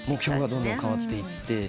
どんどん変わっていって。